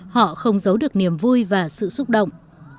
họ không giấu được niềm vui và sự xúc động